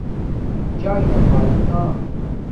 چاݵے نا پایونا